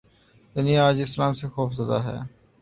: دنیا آج اسلام سے خوف زدہ ہے۔